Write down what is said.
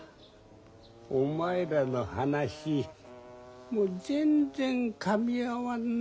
お前らの話もう全然かみ合わんな。